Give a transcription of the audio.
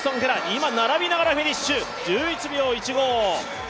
今、並びながらフィニッシュ、１１秒１５。